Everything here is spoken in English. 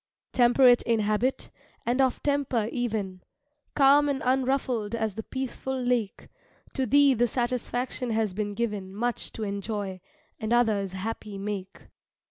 Temperate in habit, and of temper even, Calm and unruffled as the peaceful lake, To thee the satisfaction has been given Much to enjoy, and others happy make.